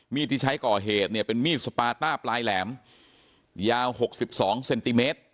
ที่ใช้ก่อเหตุเนี่ยเป็นมีดสปาต้าปลายแหลมยาว๖๒เซนติเมตร